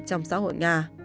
trong xã hội nga